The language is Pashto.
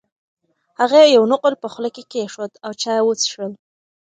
هغې یو نقل په خوله کې کېښود او چای یې وڅښل.